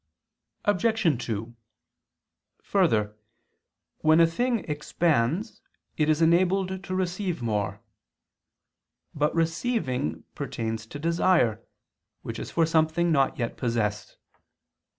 Obj. 2: Further, when a thing expands it is enabled to receive more. But receiving pertains to desire, which is for something not yet possessed.